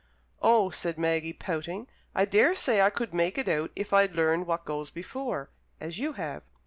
"Oh," said Maggie, pouting, "I daresay I could make it out if I'd learned what goes before, as you have."